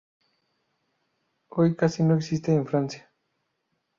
Hoy casi no existe en Francia.